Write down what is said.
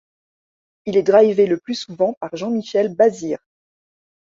Il est drivé le plus souvent par Jean-Michel Bazire.